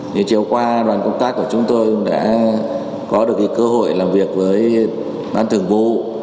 thì chiều qua đoàn công tác của chúng tôi đã có được cơ hội làm việc với ban thường vụ